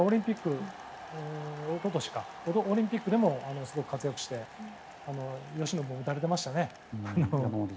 一昨年のオリンピックでもすごく活躍して山本由伸も打たれてましたね。